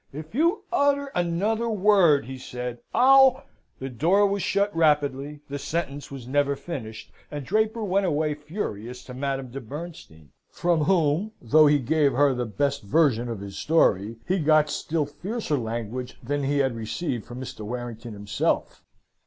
"If you utter another word," he said, "I'll " The door was shut rapidly the sentence was never finished, and Draper went away furious to Madame de Bernstein, from whom, though he gave her the best version of his story, he got still fiercer language than he had received from Mr. Warrington himself.